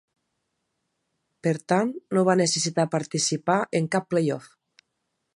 Per tant, no va necessitar participar en cap play-off.